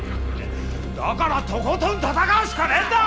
だからとことん戦うしかねえんだ！